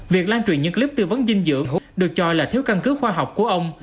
việc lan truyền những clip tư vấn dinh dưỡng được cho là thiếu căn cứ khoa học của ông